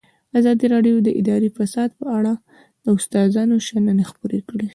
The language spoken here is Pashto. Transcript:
ازادي راډیو د اداري فساد په اړه د استادانو شننې خپرې کړي.